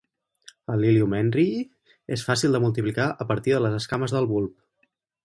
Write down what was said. El "Lilium henryi" és fàcil de multiplicar a partir de les escames del bulb.